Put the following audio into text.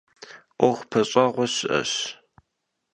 'Uexu peş'eğue si'eş.